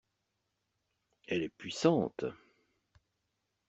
Elle est puissante.